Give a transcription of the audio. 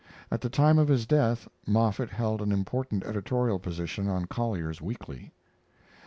At the time of his death Moffett held an important editorial position on Collier's Weekly.